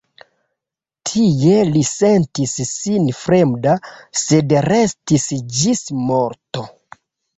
Tie li sentis sin fremda, sed restis ĝis morto.